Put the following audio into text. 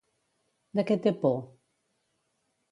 De què té por?